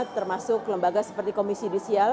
termasuk lembaga seperti komisi judisial